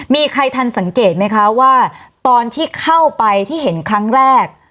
มีใครทันสังเกตไหมคะว่าตอนที่เข้าไปที่เห็นครั้งแรก